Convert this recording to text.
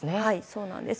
そうなんです。